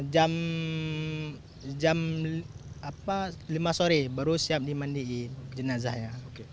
jam lima sore baru siap dimandiin jenazahnya